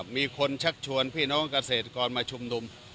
มีคนชักชวนพี่น้องเกษตรกรมาชุมนุม